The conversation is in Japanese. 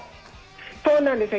そうなんですよ。